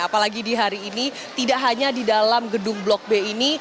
apalagi di hari ini tidak hanya di dalam gedung blok b ini